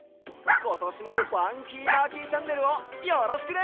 ことしも「ファンキーマーキーチャンネル」をよろしくね！